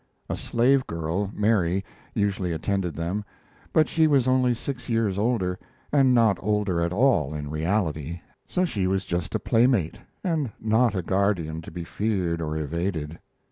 A slave girl, Mary, usually attended them, but she was only six years older, and not older at all in reality, so she was just a playmate, and not a guardian to be feared or evaded.